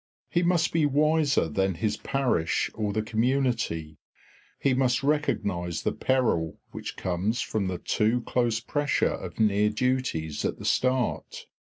He must be wiser than his parish or the community; he must recognise the peril which comes from the too close pressure of near duties at the start.